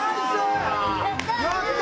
やった！